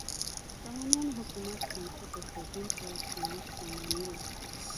د سامانیانو د حکومت بنسټ ایښودونکی اسماعیل ساماني و.